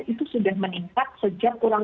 itu sudah meningkat sejak kurang